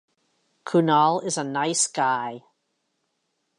Kunal is a nice guy.